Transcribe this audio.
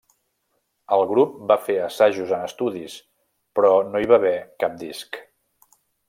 El grup va fer assajos en estudis però no hi va haver cap disc.